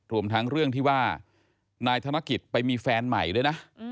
รวมทั้งเรื่องที่ว่านายธนกิจไปมีแฟนใหม่ด้วยนะ